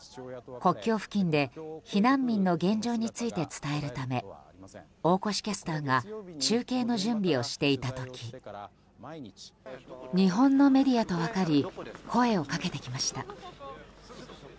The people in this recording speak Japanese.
国境付近で避難民の現状について伝えるため大越キャスターが中継の準備をしていた時日本のメディアと分かり声をかけてきました。